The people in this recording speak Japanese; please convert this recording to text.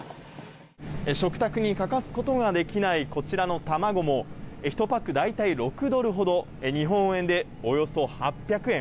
食卓に欠かすことができないこちらの卵も１パック、大体６ドルほど日本円でおよそ８００円。